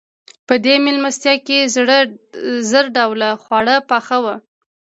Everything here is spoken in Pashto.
په دې مېلمستیا کې زر ډوله خواړه پاخه وو.